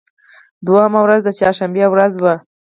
دوهمه ورځ د چهار شنبې ورځ وه.